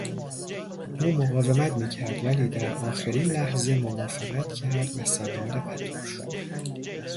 او مقاومت میکرد ولی در آخرین لحظه موافقت کرد و سوار قطار شد.